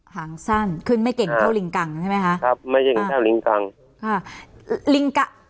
หางสั้นขึ้นไม่เก่งเท่าลิงกังใช่ไหมคะ